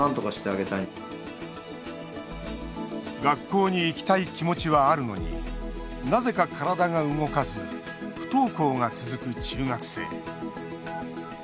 学校に行きたい気持ちはあるのに、なぜか体が動かず不登校が続く中学生。